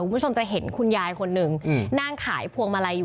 คุณผู้ชมจะเห็นคุณยายคนหนึ่งนั่งขายพวงมาลัยอยู่